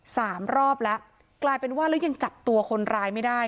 สามรอบแล้วกลายเป็นว่าแล้วยังจับตัวคนร้ายไม่ได้